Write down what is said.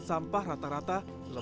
bumk kampung sampah blank room